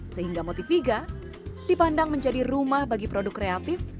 sehingga motiviga dipandang menjadi rumah bagi produk kreatif